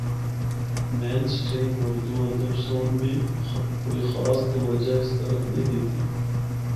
مین سٹریم اُردو ادب سنڑ بھی کوئی خاص توجہ اس طرف نیں دِتی۔